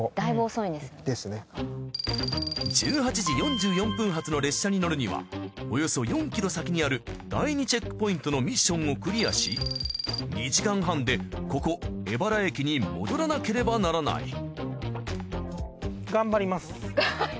１８時４４分発の列車に乗るにはおよそ４ｋｍ先にある第２チェックポイントのミッションをクリアし２時間半でここ江原駅に戻らなければならない。